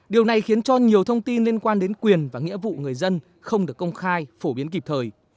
điều này khiến cho nhiều thông tin liên quan đến quyền và nghĩa vụ người dân không được công khai phổ biến kịp thời